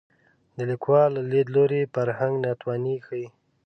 د لیکوال له لید لوري فرهنګ ناتواني ښيي